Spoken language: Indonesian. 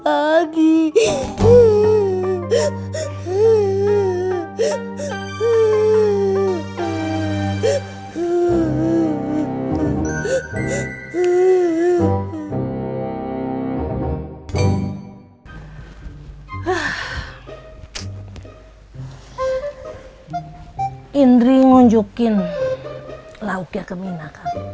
hai indri ngunjukin lauknya kemina